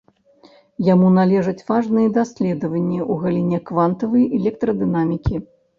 Яму належаць важныя даследаванні ў галіне квантавай электрадынамікі.